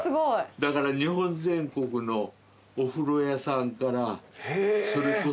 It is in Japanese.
だから日本全国のお風呂屋さんからそれこそ。